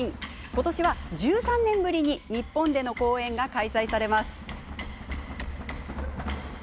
今年は１３年ぶりに日本での公演が開催されます。